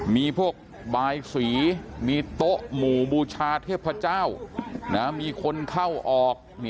มีพวกบายสีมีโต๊ะหมู่บูชาเทพเจ้ามีคนเข้าออก